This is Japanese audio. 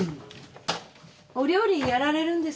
お料理やられるんですか？